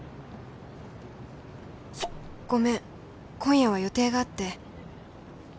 「ごめん今夜は予定があって」